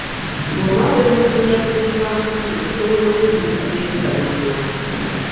Bwoba wemulugunya ku buli bwa nguzi osobola okwemulugunya eri kalondoozi.